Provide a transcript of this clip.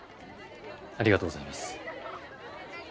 ありがとうございます。